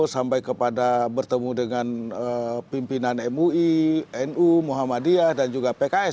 sampai kepada bertemu dengan pimpinan mui nu muhammadiyah dan juga pks